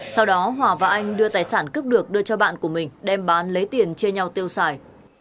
sau đó hòa và anh đưa tài sản cướp được đưa cho bạn của mình đem bán lấy tiền chia nhau tiêu xài